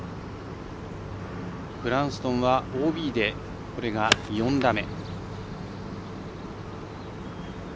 ブランスドンはＯＢでこれで４打目。